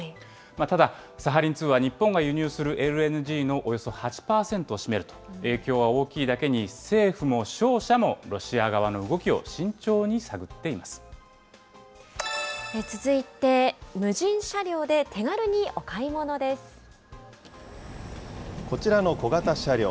ただ、サハリン２は日本が輸入するＬＮＧのおよそ８％を占めると影響は大きいだけに、政府も商社もロシア側の動きを慎重に探って続いて、無人車両で手軽におこちらの小型車両。